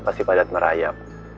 pasti padat merayap